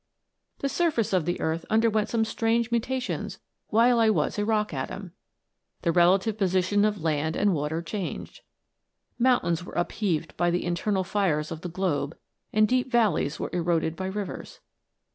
" The surface of the earth underwent some strange mutations while I was a rock atom. The relative position of land and water changed. Mountains were upheaved by the internal fires of the globe, and deep valleys were eroded by rivers.